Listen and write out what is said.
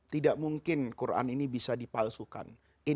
tidak mungkin quran ini bisa dipalsukan